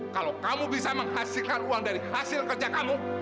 kalau kamu bisa menghasilkan uang dari hasil kerja kamu